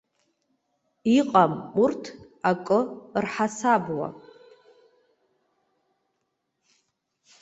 Иҟам урҭ акы рҳасабуа.